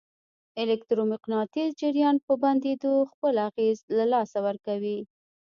الکترو مقناطیس د جریان په بندېدو خپل اغېز له لاسه ورکوي.